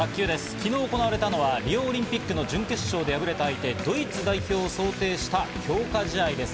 昨日行われたのはリオオリンピックの準決勝で敗れた相手、ドイツ代表を想定した強化試合です。